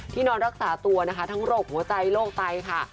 นอนรักษาตัวนะคะทั้งโรคหัวใจโรคไตค่ะ